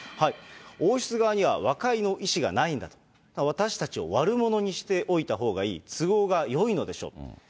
王室側には和解の意思がないんだと、私たちを悪者にしておいたほうがいい、都合がよいのでしょうと。